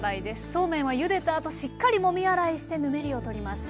そうめんはゆでたあとしっかりもみ洗いしてぬめりを取ります。